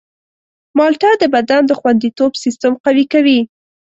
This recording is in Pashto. مالټه د بدن د خوندیتوب سیستم قوي کوي.